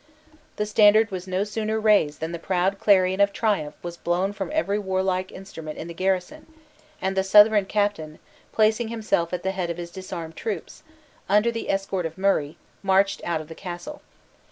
The standard was no sooner raised than the proud clarion of triumph was blown from every warlike instrument in the garrison and the Southron captain, placing himself at the head of his disarmed troops, under the escort of Murray, marched out of the castle.